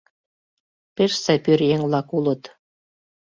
Пеш сай пӧръеҥ-влак улыт.